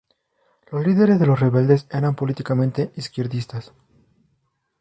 Los líderes de los rebeldes eran políticamente izquierdistas.